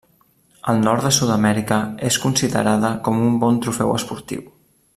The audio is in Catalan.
Al nord de Sud-amèrica és considerada com un bon trofeu esportiu.